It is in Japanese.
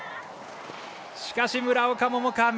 しかし、村岡桃佳。